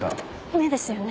目ですよね？